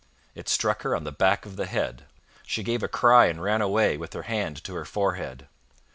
It struck her on the back of the head. She gave a cry and ran away, with her hand to her forehead.